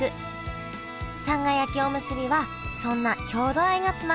さんが焼きおむすびはそんな郷土愛が詰まったおむすびです